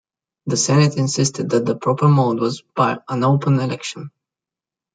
The senate insisted that the proper mode was by an open election.